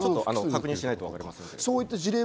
確認しないとわかりません。